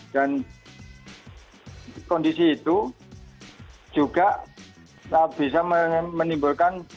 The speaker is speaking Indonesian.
dan kondisi itu juga bisa menimbulkan